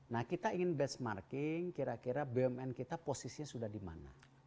nah kita ingin benchmarking kira kira bumn kita posisinya sudah di mana